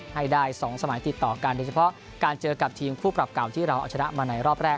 ให้ได้๒สมัยติดต่อกันโดยเฉพาะการเจอกับทีมคู่ปรับเก่าที่เราเอาชนะมาในรอบแรก